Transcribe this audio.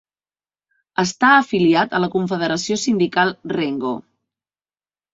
Està afiliat a la Confederació Sindical Rengo.